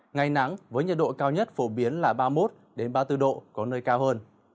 ngày nắng với nhiệt độ cao nhất phổ biến là ba mươi một ba mươi bốn độ có nơi cao hơn